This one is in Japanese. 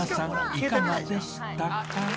いかがでしたか？